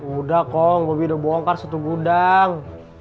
udah kong gue udah bongkar satu gudang